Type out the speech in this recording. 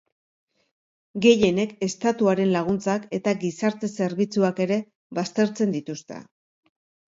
Gehienek estatuaren laguntzak eta gizarte-zerbitzuak ere baztertzen dituzte.